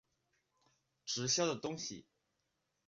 直销的东西